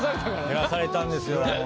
減らされたんですよ